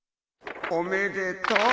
おめでとう。